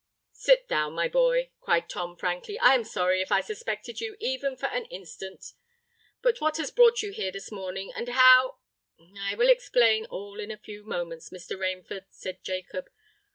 "Sit down, my boy," cried Tom frankly: "I am sorry if I suspected you even for an instant. But what has brought you here this morning? and how——" "I will explain all in a few moments, Mr. Rainford," said Jacob.